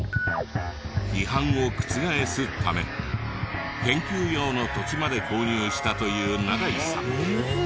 批判を覆すため研究用の土地まで購入したという長井さん。